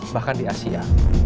bahkan di asia